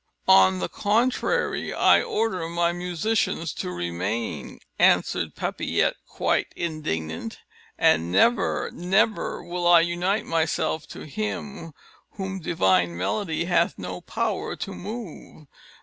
"On the contrary, I order my musicians to remain," answered Papillette, quite indignant, "and never, never will I unite myself to him whom divine melody hath no power to move.